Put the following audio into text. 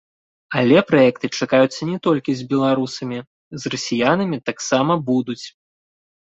Але праекты чакаюцца не толькі з беларусамі, з расіянамі таксама будуць.